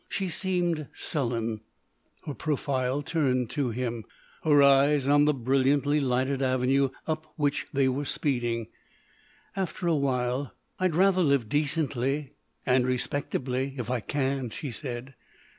She seemed sullen, her profile turned to him, her eyes on the brilliantly lighted avenue up which they were speeding. After a while: "I'd rather live decently and respectably if I can," she said.